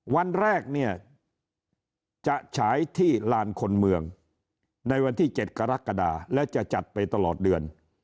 วันแรกเนี่ยจะฉายที่ลานคนเมืองในวันที่๗กรกฎาและจะจัดไปตลอดเดือน